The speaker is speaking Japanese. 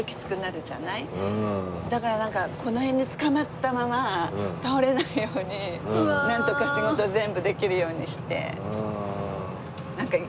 だからこの辺につかまったまま倒れないようになんとか仕事全部できるようにして。